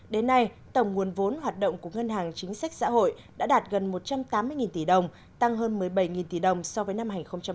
đến nay tổng nguồn vốn hoạt động của ngân hàng chính sách xã hội đã đạt gần một trăm tám mươi tỷ đồng tăng hơn một mươi bảy tỷ đồng so với năm hai nghìn một mươi tám